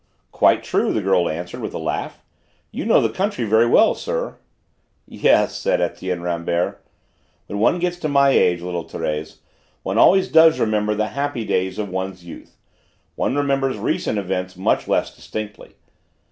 "Quite true," the girl answered with a laugh. "You know the country very well, sir." "Yes," said Etienne Rambert; "when one gets to my age, little Thérèse, one always does remember the happy days of one's youth; one remembers recent events much less distinctly.